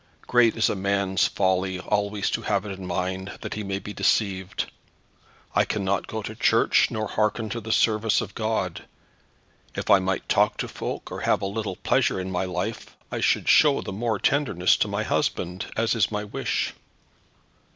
Great is a man's folly always to have it in mind that he may be deceived. I cannot go to church, nor hearken to the service of God. If I might talk to folk, or have a little pleasure in my life, I should show the more tenderness to my husband, as is my wish.